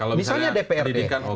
kalau misalnya pendidikan